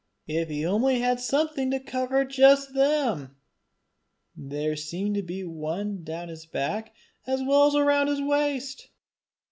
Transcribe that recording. If he only had something to cover just them! There seemed to be one down his back as well as round his waist!